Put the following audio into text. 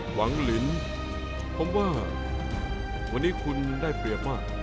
หวังลินผมว่าวันนี้คุณได้เปรียบมาก